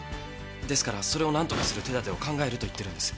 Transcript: ですからそれを何とかする手だてを考えると言ってるんです。